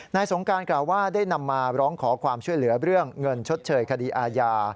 สงการกล่าวว่าได้นำมาร้องขอความช่วยเหลือเรื่องเงินชดเชยคดีอาญา